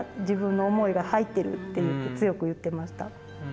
自分の思いが入ってる」って言って強く言ってました。